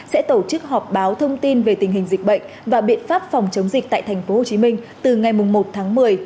sẽ tổ chức họp báo thông tin về tình hình dịch bệnh và biện pháp phòng chống dịch tại tp hcm từ ngày một tháng một mươi